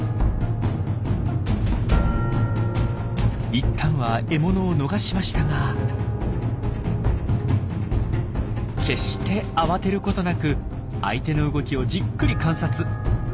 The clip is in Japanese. いったんは獲物を逃しましたが決して慌てることなく相手の動きをじっくり観察。